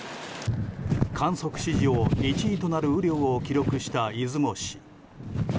観測史上１位となる雨量を記録した出雲市。